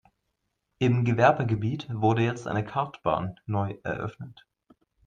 Im Gewerbegebiet wurde jetzt eine Kartbahn neu eröffnet.